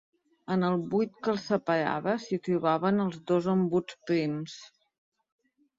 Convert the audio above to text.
En el buit que els separava s'hi trobaven els dos embuts prims.